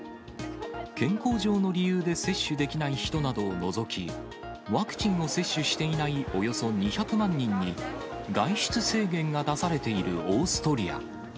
健康上の理由で接種できない人などを除き、ワクチンを接種していないおよそ２００万人に、外出制限が出されているオーストリア。